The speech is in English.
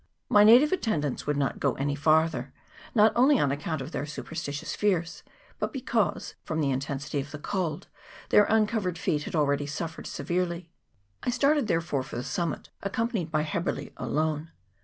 My native attendants would not go any farther, not only on account of their super stitious fears, but because, from the intensity of the cold, their uncovered feet had already suffered se verely. I started, therefore, for the summit, accom panied by Heberley alone.